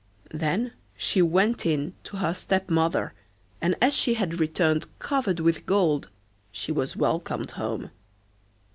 Then she went in to her stepmother, and as she had returned covered with gold she was welcomed home.